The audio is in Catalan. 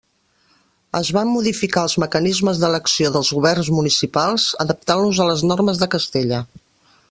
Es van modificar els mecanismes d'elecció dels governs municipals adaptant-los a les normes de Castella.